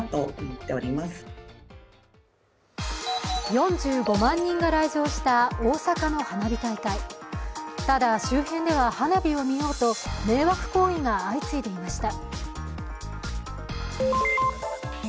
４５万人が来場した大阪の花火大会、ただ、周辺では花火を見ようと迷惑行為が相次いでいました。